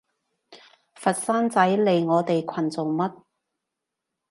佛山仔嚟我哋群做乜？